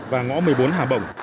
và ngõ một mươi bốn hà nội